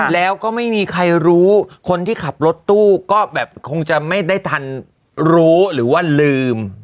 แล้วก็ไม่มีใครรู้คนที่ขับรถตู้ก็แบบคงจะไม่ได้ทันรู้หรือว่าลืม